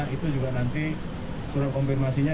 itu juga nanti surat konfirmasinya